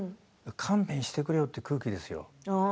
勘弁してくれよという空気ですよ。